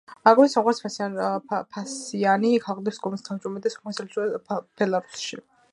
აგრეთვე სომხეთის ფასიანი ქაღალდების კომისიის თავმჯდომარე და სომხეთის ელჩი ბელარუსში.